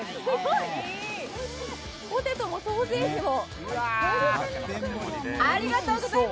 ポテトもソーセージも。